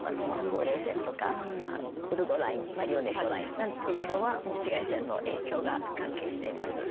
ほうれい線とかゴルゴラインマリオネットラインなんていうのはもう紫外線の影響が関係しています。